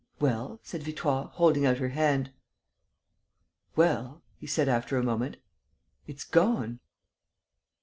"Well?" said Victoire, holding out her hand. "Well," he said, after a moment, "it's gone."